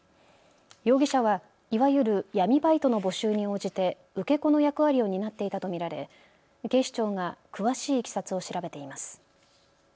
容疑者はいわゆる闇バイトの募集に応じて受け子の役割を担っていたと見られ警視庁が詳しいいきさつを調べています。